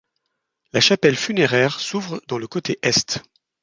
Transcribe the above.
La chapelle funéraire s'ouvre dans le côté est.